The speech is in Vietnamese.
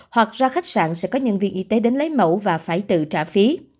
hoặc ra khách sạn sẽ có nhân viên y tế đến lấy mẫu và phải tự trả phí